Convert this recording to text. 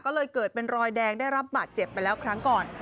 ก็เลยเกิดเป็นรอยแดงได้รับบาดเจ็บไปแล้วครั้งก่อน